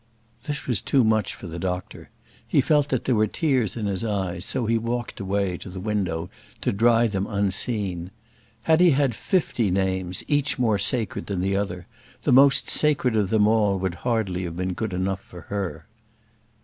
This was too much for the doctor. He felt that there were tears in his eyes, so he walked away to the window to dry them, unseen. Had he had fifty names, each more sacred than the other, the most sacred of them all would hardly have been good enough for her.